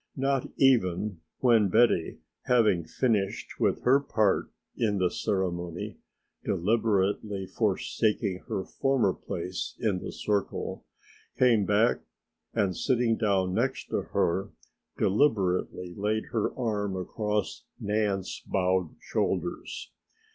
Not even when Betty, having finished with her part in the ceremony, deliberately forsaking her former place in the circle came back and sitting down next her deliberately laid her arm across Nan's bowed shoulders.